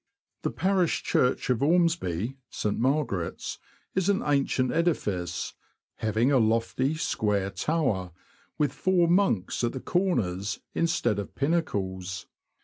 The parish church of Ormsby (St. Margaret's) is an ancient edifice, having a lofty, square tower, with four monks at the corners instead of pinnacles.